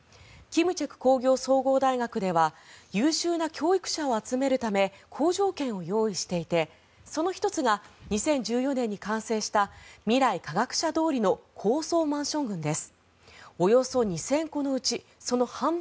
金策工業総合大学では優秀な教育者を集めるため好条件を用意していてその１つが２０１４年に完成した未来科学者通りの高層マンション群です。